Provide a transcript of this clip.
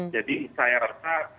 jadi saya rasa